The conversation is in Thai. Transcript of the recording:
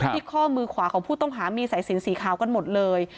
ข้อมือขวาของผู้ต้องหามีสายสินสีขาวกันหมดเลย